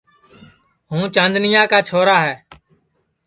ہوں چاندنیا کا چھورا ہے